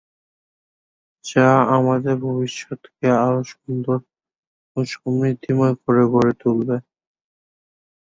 একটি সমবায় থিমের আওতায় সদস্যদের মধ্যে খুব সহজে আর্থিক সেবা করছে।